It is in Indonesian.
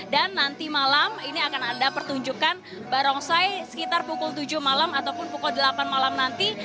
dan nanti malam ini akan ada pertunjukan barongsai sekitar pukul tujuh malam ataupun pukul delapan malam nanti